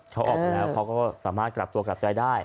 เขาออกมาแล้วเขาก็สามารถกลับตัวกลับใจได้